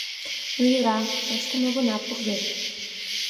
Ну йӧра, тоштым огына пургед...